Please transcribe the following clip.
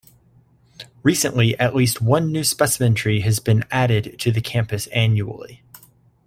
Recently at least one new specimen tree has been added to the campus annually.